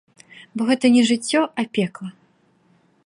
Бо гэта не жыццё, а пекла.